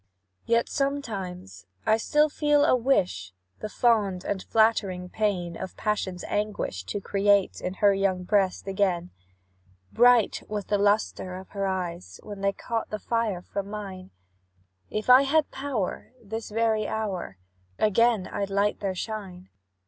"Yet, sometimes, I still feel a wish, The fond and flattering pain Of passion's anguish to create In her young breast again. Bright was the lustre of her eyes, When they caught fire from mine; If I had power this very hour, Again I'd light their shine.